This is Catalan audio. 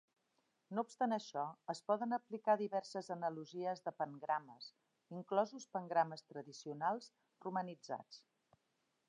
No obstant això, es poden aplicar diverses analogies de pangrames, inclosos pangrames tradicionals romanitzats.